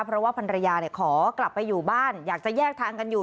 เพราะว่าภรรยาขอกลับไปอยู่บ้านอยากจะแยกทางกันอยู่